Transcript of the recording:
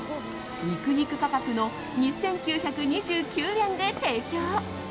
ニクニク価格の２９２９円で提供！